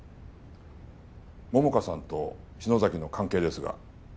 桃花さんと篠崎の関係ですが。